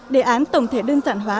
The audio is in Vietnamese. đề án tổng thể đơn giản hóa